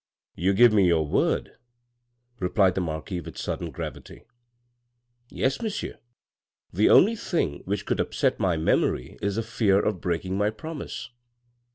" You give me your word ?" replied the marquis with sudden gravity. " Yes, monsieur ; the only thing which could upset my memory is the fear of breaking my promise."